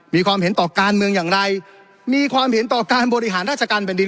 มีความเห็นต่อการเมืองอย่างไรมีความเห็นต่อการบริหารราชการแผ่นดิน